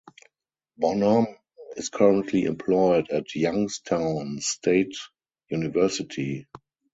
Bonhomme is currently employed at Youngstown State University.